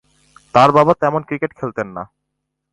তার বাবা তেমন ক্রিকেট খেলতেন না।